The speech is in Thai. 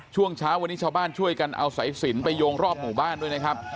ช่วงเช้าวันนี้ชาวบ้านช่วยกันเอาสายสินไปโยงรอบหมู่บ้านด้วยนะครับ